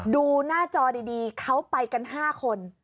ดูหน้าจอดีเขาไปกัน๕คน